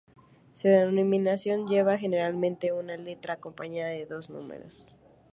Su denominación lleva generalmente una letra acompañada de dos números.